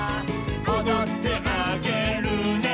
「おどってあげるね」